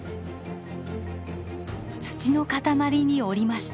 土の塊に降りました。